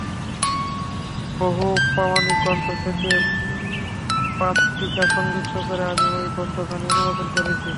বহু প্রামাণিক গ্রন্থ থেকে পাদটীকা সংযুক্ত করে আমি ঐ গ্রন্থখানি অনুবাদ করছি।